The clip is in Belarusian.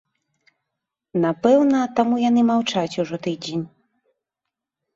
Напэўна, таму яны маўчаць ўжо тыдзень.